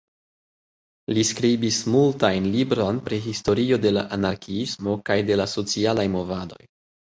Li skribis multajn libron pri historio de la anarkiismo kaj de la socialaj movadoj.